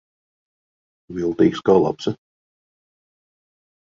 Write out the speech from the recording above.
Viltīgs kā lapsa.